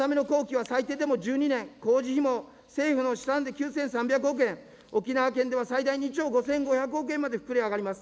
改良のための工期は最低でも１２年、工事費も政府の試算で９３００億円、沖縄県では最大２兆５５００億円まで広がります。